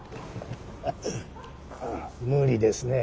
ハッ無理ですね。